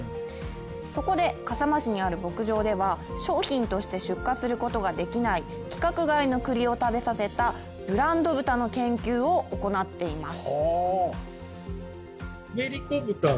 そこで笠間市にある牧場では商品として出荷することができない規格外の栗を食べさせたブランド豚の研究を行っています。